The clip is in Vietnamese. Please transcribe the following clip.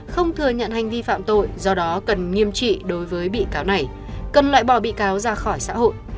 không thừa nhận hành vi phạm tội do đó cần nghiêm trị đối với bị cáo này cần loại bỏ bị cáo ra khỏi xã hội